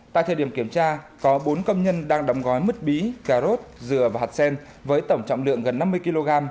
tại thời điểm kiểm tra có bốn công nhân đang đóng gói mứt bí cà rốt dừa và hạt sen với tổng trọng lượng gần năm mươi kg